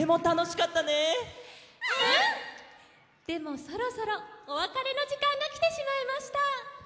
でもそろそろおわかれのじかんがきてしまいました。